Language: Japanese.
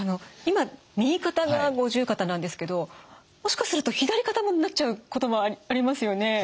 今右肩が五十肩なんですけどもしかすると左肩もなっちゃうこともありますよね？